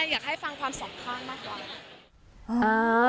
อยากให้ฟังความสดข้างหน้ากว่า